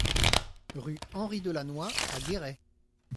Rue Henry Delannoy à Guéret